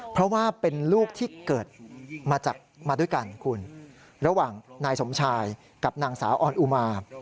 เพราะว่าเป็นลูกที่เกิดมาจากมาด้วยกันคุณระหว่างนายสมชายกับนางสาวออนอุมา